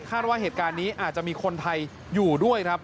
ว่าเหตุการณ์นี้อาจจะมีคนไทยอยู่ด้วยครับ